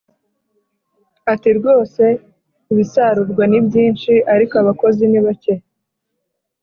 Ati rwose ibisarurwa ni byinshi ariko abakozi ni bake